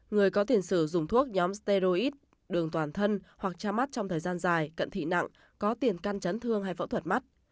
người có tiền sử dùng thuốc nhóm steroid đường toàn thân hoặc tra mắt trong thời gian dài cận thị nặng có tiền can chấn thương hay phẫu thuật mắt